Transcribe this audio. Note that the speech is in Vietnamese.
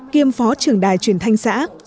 kiêm phó trưởng đài truyền thanh xã